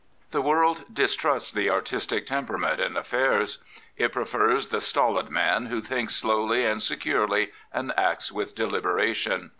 The world distrusts the artistic temperament in affairs. It prefers the stolid man who thinks slowly and securely and acts with deliberation.